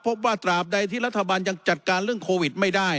ตราบใดที่รัฐบาลยังจัดการเรื่องโควิดไม่ได้